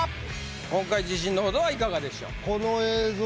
今回自信の程はいかがでしょう？